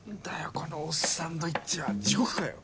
このオッサンドイッチは地獄かよ！